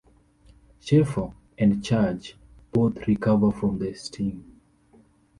Cheffo and Charge both recover from the sting.